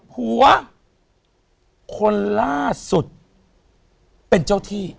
หัวคนล่าสุดเป็นเจ้าที่